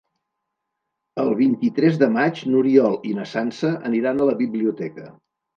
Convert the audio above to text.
El vint-i-tres de maig n'Oriol i na Sança aniran a la biblioteca.